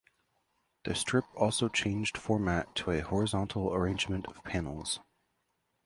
The strip also changed format to a horizontal arrangement of panels.